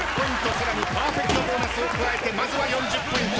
さらにパーフェクトボーナスを加えてまずは４０ポイント。